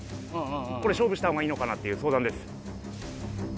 これ勝負したほうがいいのかなっていう相談です。